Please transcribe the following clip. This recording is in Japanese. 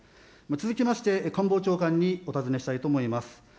続きまして、官房長官にお尋ねしたいと思います。